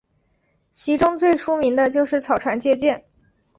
其中最出名的就是草船借箭。